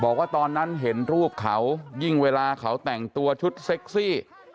บอกว่าตอนนั้นเห็นรูปเขายิ่งเวลาเขาแต่งตัวชุดเซ็กซี่